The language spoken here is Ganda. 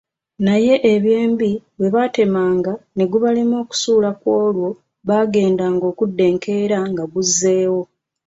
Naye eby’embi bwe baatemanga ne gubalema okusuula kw’olwo baagendanga okudda enkeera nga guzzeewo.